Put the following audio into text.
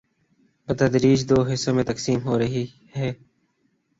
، بتدریج دو حصوں میں تقسیم ہورہی ہی۔